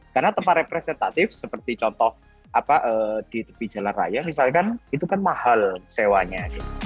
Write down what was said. karena tempat representatif seperti contoh di jalan raya misalkan itu kan mahal sewanya